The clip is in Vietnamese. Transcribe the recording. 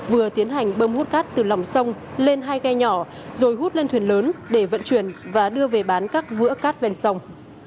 vừa tiến hành bơm hút cát từ lòng sông lên hai ghe nhỏ rồi hút lên thuyền lớn để vận chuyển và đưa về bán các vữa cát ven sông